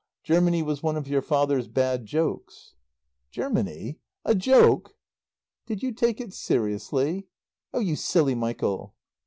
Germany was one of your father's bad jokes." "Germany a joke?" "Did you take it seriously? Oh, you silly Michael!"